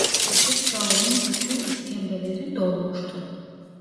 Küçük salonun bütün iskemleleri dolmuştu.